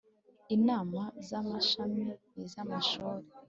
Inama z Amashami niz amashuri